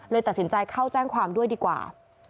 ตัดสินใจเข้าแจ้งความด้วยดีกว่า